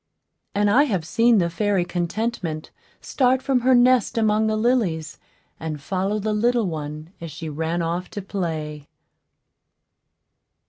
And I have seen the fairy Contentment start from her nest among the lilies, and follow the little one as she ran off to play.